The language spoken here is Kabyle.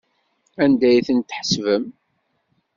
Anda ay tent-tḥesbem?